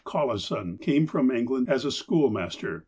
Collisou came from England as a school master.